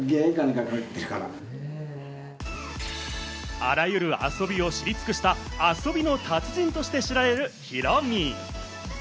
あらゆる遊びを知り尽くした遊びの達人として知られるヒロミ。